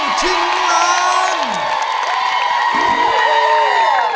นักสู้ชิงร้าน